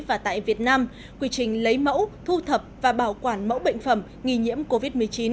và tại việt nam quy trình lấy mẫu thu thập và bảo quản mẫu bệnh phẩm nghi nhiễm covid một mươi chín